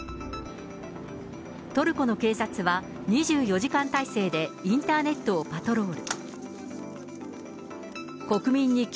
トルコの警察は２４時間態勢でインターネットをパトロール。